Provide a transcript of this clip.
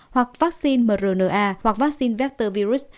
hoặc vaccine mrna hoặc vaccine vector virus